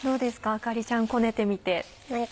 あかりちゃんこねてみて。